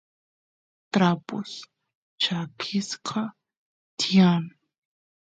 trapus chakisqa tiyan